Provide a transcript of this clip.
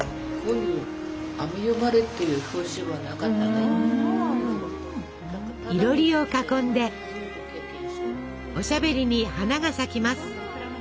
いろりを囲んでおしゃべりに花が咲きます。